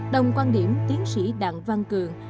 đồng quan điểm tiến sĩ đặng văn cường